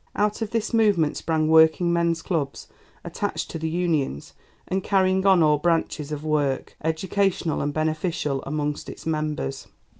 Out of this movement sprang Working Men's Clubs attached to the Unions and carrying on all branches of work, educational and beneficial, amongst its members.